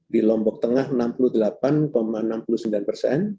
di lombok tengah enam puluh delapan enam puluh sembilan persen